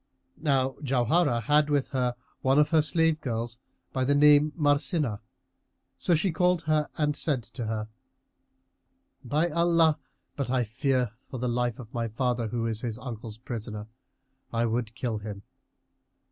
Now Jauharah had with her one of her slave girls, by name Marsínah[FN#332]; so she called her and said to her, "By Allah, but that I fear for the life of my father, who is his uncle's prisoner, I would kill him!